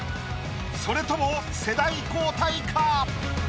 それとも世代交代か？